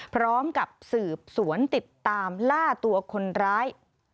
พร้อมกับสืบสวนติดตามล่าตัวคนร้าย